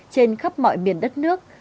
trên khắp mọi miền đất nước